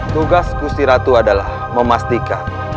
tugas kusi ratu adalah memastikan